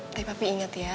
tapi papi ingat ya